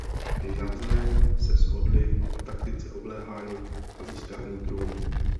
Navzájem se shodli na taktice obléhání a získání trůnu.